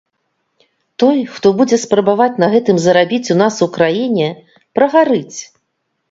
Той, хто будзе спрабаваць на гэтым зарабіць у нас у краіне, прагарыць.